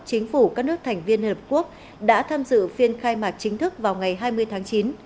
chính phủ các nước thành viên liên hợp quốc đã tham dự phiên khai mạc chính thức vào ngày hai mươi tháng chín